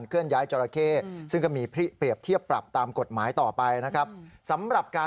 ขอบคุณครับ